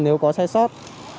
nếu có sai sót